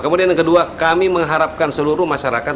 kemudian yang kedua kami mengharapkan seluruh masyarakat